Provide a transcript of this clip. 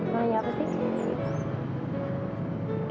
mau nanya apa sih